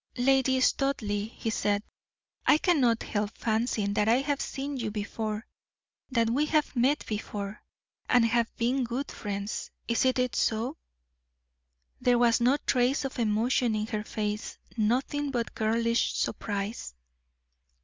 "Lady Studleigh," he said, "I cannot help fancying that I have seen you before that we have met before, and have been good friends. Is it so?" There was no trace of emotion in her face nothing but girlish surprise.